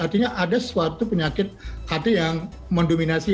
artinya ada suatu penyakit hati yang mendominasi